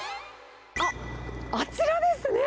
あっ、あちらですね。